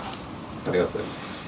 ありがとうございます。